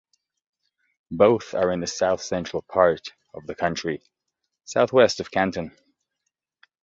Both are in the south-central part of the county, southwest of Canton.